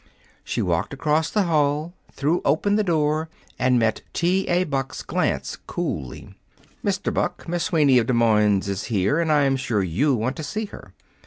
She walked across the hall, threw open the door, and met T. A. Buck's glance coolly. "Mr. Buck, Miss Sweeney, of Des Moines, is here, and I'm sure you want to see her.